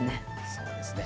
そうですね。